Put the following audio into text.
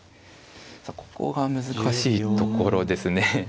さあここが難しいところですね。